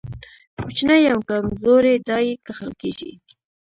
کوچني او کمزوري دا يې کښل کېږي.